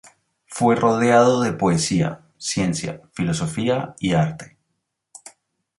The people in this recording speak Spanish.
Fue rodeado de poesía, ciencia, filosofía y arte.